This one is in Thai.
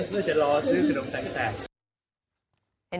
เพื่อจะรอซื้อขนมถังแตก